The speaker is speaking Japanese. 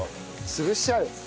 潰しちゃう。